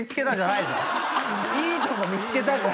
いいとこ見つけた！